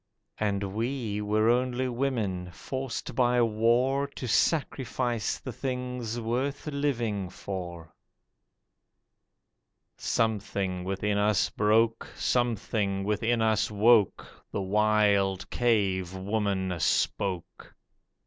And we were only women, forced by war To sacrifice the things worth living for. Something within us broke, Something within us woke, The wild cave woman spoke.